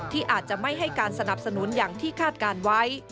ที่อาจจะไม่ให้การสนับสนุนอย่างที่คาดการณ์ไว้